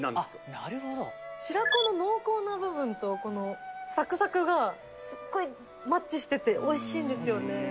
なるほど白子の濃厚な部分とこのサクサクがすっごいマッチしてておいしいんですよね